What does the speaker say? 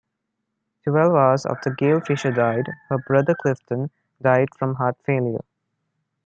Twelve hours after Gail Fisher died, her brother Clifton died from heart failure.